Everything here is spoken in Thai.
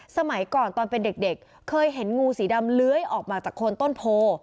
สมัยก่อนตอนเป็นเด็กเคยเห็นงูสีดำเลื้อยออกมาจากโคนต้นโพ